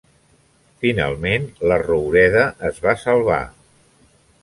Finalment, la roureda es va salvar.